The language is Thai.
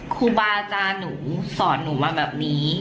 ครูบาอาจารย์หนูสอนหนูมาแบบนี้